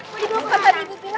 bu di rumah kan ada ibu bina